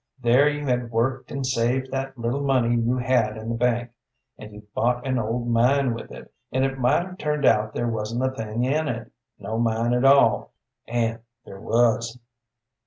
There you had worked and saved that little money you had in the bank, and you bought an old mine with it, and it might have turned out there wasn't a thing in it, no mine at all, and there was.